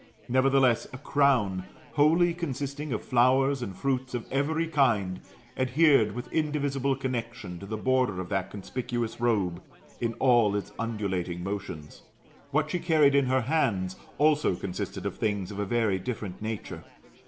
Nevertheless, a crown, wholly consisting of flowers and fruits of every kind, adhered with indivisible connexion to the border of that conspicuous robe, in all its undulating motions. What she carried in her hands also consisted of things of a very diflerent nature.